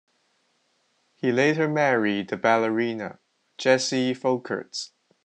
He later married the ballerina, Jessie Folkerts.